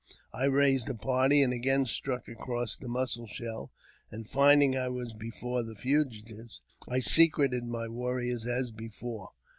I raised a party, and again struck across the Mussel Shell, and, finding I was before the fugitives, I secreted my warriors as before.